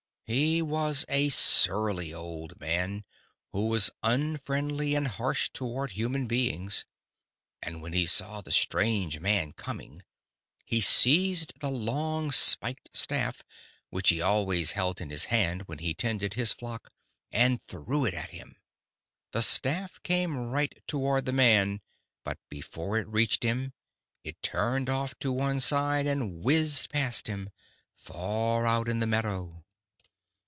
He was a surly old man, who was unfriendly and harsh toward human beings. And when he saw the strange man coming, he seized the long spiked staff, which he always held in his hand when he tended his flock, and threw it at him. The staff came right toward the man, but, before it reached him, it turned off to one side and whizzed past him, far out in the meadow."